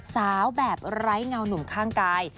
สาวแบบไร้เงาหนุ่มข้างกาย